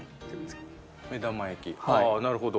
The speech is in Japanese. ああなるほど。